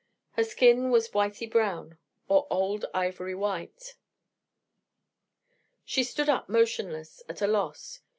Her skin was whitey brown, or old ivory white. She stood up motionless, at a loss.